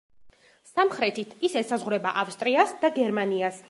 სამხრეთით ის ესაზღვრება ავსტრიას და გერმანიას.